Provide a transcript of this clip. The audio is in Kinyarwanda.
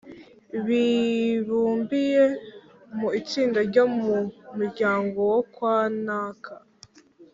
bibumbiye mu itsinda ryo mu muryango wo kwa naka